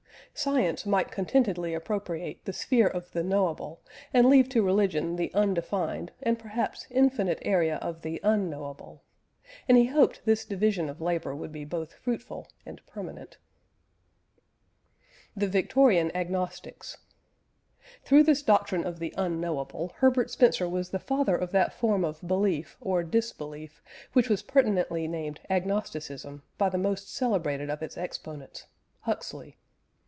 Science might contentedly appropriate the sphere of the knowable, and leave to religion the undefined and perhaps infinite area of the unknowable; and he hoped this division of labour would be both fruitful and permanent. THE VICTORIAN AGNOSTICS. Through this doctrine of the Unknowable, Herbert Spencer was the father of that form of belief or disbelief which was pertinently named Agnosticism by the most celebrated of its exponents Huxley.